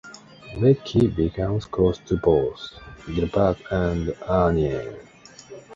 Becky becomes close to both Gilbert and Arnie.